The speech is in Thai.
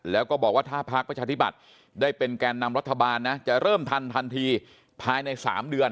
แล้วก็บอกว่าถ้าพักประชาธิบัติได้เป็นแกนนำรัฐบาลนะจะเริ่มทันทันทีภายใน๓เดือน